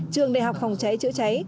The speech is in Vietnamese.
trường đại học phòng cháy chữa cháy